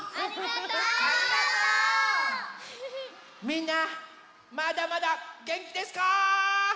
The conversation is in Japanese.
みんなまだまだげんきですか？